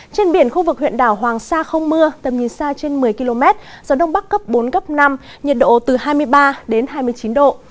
trên biển khu vực huyện đảo hoàng sa không mưa tầm nhìn xa trên một mươi km gió đông bắc cấp bốn cấp năm nhiệt độ từ hai mươi ba đến hai mươi chín độ